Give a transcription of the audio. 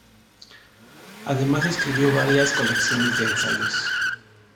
Además escribió varias colecciones de ensayos.